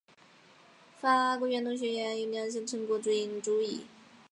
法国远东学院有两项成果最引人注目。